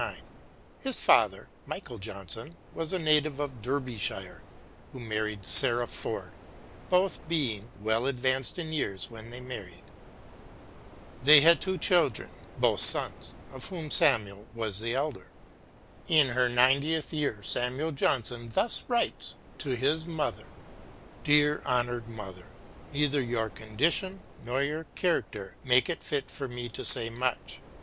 His father, Michael Johnson, was a native of Derbyshire who married Sarah Ford, both being " well advanced in years when they married." They had two children, both sons, of whom Samuel was the elder. In her ninetieth year Samuel Johnson thus writes to his mother : Dear honoured mother. Neither your condition nor your character make it fit for me to say much.